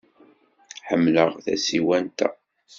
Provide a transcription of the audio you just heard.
Ḥemmleɣ tasiwant-a.